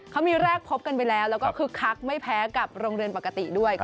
เขามีแรกพบกันไปแล้วแล้วก็คึกคักไม่แพ้กับโรงเรียนปกติด้วย